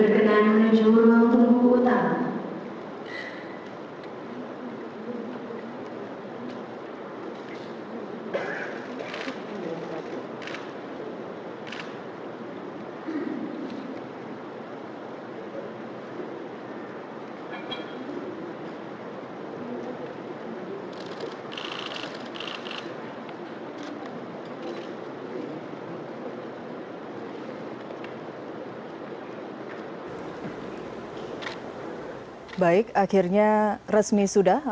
rohanilo dijon mengembalikan tempat semula